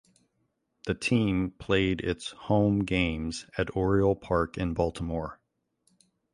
The team played its home games at Oriole Park in Baltimore.